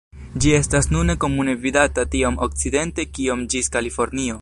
Ĝi estas nune komune vidata tiom okcidente kiom ĝis Kalifornio.